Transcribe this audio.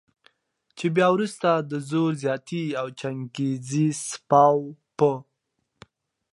چې بیا وروسته د زور زیاتی او چنګیزي څپاو په